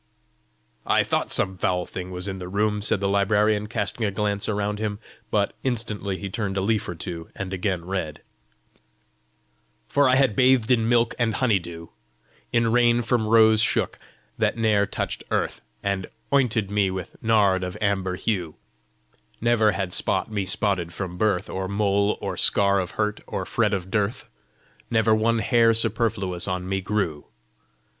"I thought some foul thing was in the room!" said the librarian, casting a glance around him; but instantly he turned a leaf or two, and again read: "For I had bathed in milk and honey dew, In rain from roses shook, that ne'er touched earth, And ointed me with nard of amber hue; Never had spot me spotted from my birth, Or mole, or scar of hurt, or fret of dearth; Never one hair superfluous on me grew.